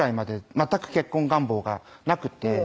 全く結婚願望がなくてほう